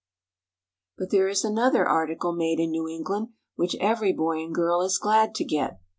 But there is another article made in New England which every boy and girl is glad to get.